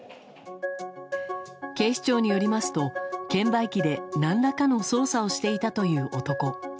警視庁によりますと、券売機で何らかの操作をしていたという男。